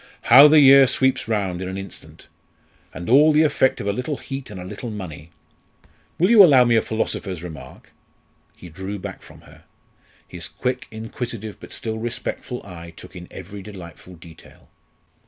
"How the year sweeps round in an instant! And all the effect of a little heat and a little money. Will you allow me a philosopher's remark?" He drew back from her. His quick inquisitive but still respectful eye took in every delightful detail.